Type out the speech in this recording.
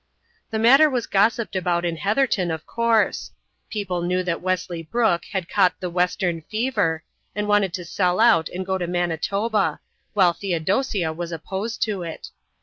The matter was gossiped about in Heatherton, of course. People knew that Wesley Brooke had caught "the western fever," and wanted to sell out and go to Manitoba, while Theodosia was opposed to it.